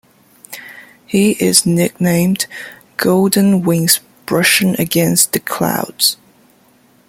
He is nicknamed "Golden Wings Brushing Against the Clouds".